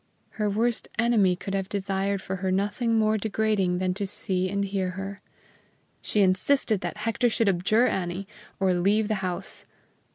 Her worst enemy could have desired for her nothing more degrading than to see and hear her. She insisted that Hector should abjure Annie, or leave the house.